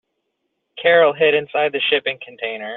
Carol hid inside the shipping container.